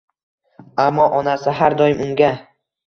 Ammo onasi har doim unga